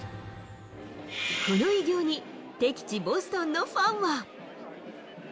この偉業に、敵地ボストンのファンは。